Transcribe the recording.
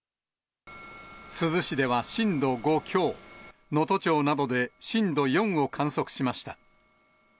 珠洲市では震度５強、能登町などで震度４を観測しました。